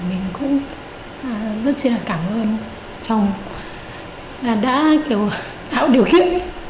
mình cũng rất chân hạ cảm ơn trong đã kiểu tạo điều khiển